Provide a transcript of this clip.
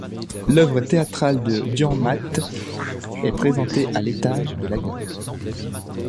L’œuvre théâtrale de Dürrenmatt est présentée à l'étage de la galerie.